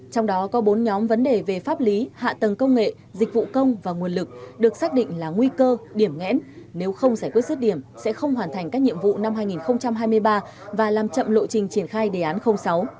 trong đó có bốn nhóm vấn đề về pháp lý hạ tầng công nghệ dịch vụ công và nguồn lực được xác định là nguy cơ điểm ngẽn nếu không giải quyết rứt điểm sẽ không hoàn thành các nhiệm vụ năm hai nghìn hai mươi ba và làm chậm lộ trình triển khai đề án sáu